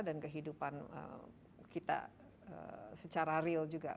dan kehidupan kita secara real juga